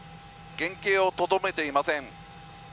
原形をとどめていません。